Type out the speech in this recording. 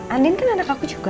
andin kan anak aku juga